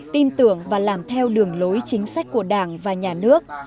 tin tưởng và làm theo đường lối chính sách của đảng và nhà nước